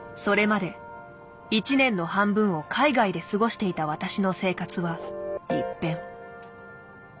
それまで一年の半分を海外で過ごしていた私の生活は一変。